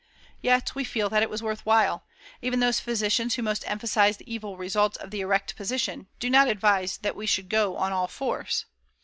Yet we feel that it was worth while; even those physicians who most emphasize the evil results of the erect position do not advise that we should go on all fours.